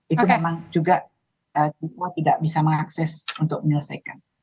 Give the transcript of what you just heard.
itu memang juga kita tidak bisa mengakses untuk menyelesaikan